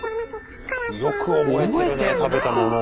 よく覚えてるね食べたものを。